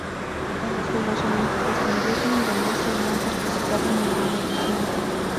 En los Juegos Olímpicos de Invierno Indonesia no ha participado en ninguna edición.